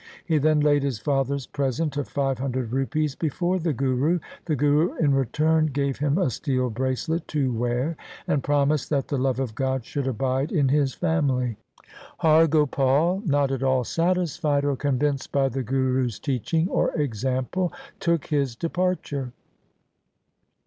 He then laid his father's present of five hundred rupees before the Guru. The Guru in return gave him a steel bracelet 1 to wear, and promised that the love of God should abide in his family. Har Gopal, not at all satisfied or convinced by the Guru's teaching or example, took his departure.